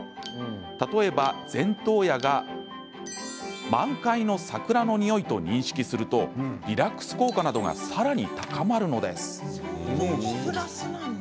例えば前頭野が満開の桜の匂いと認識するとリラックス効果などがさらに高まるのです。